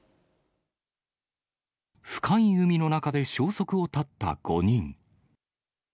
深い海の中で消息を絶った５人。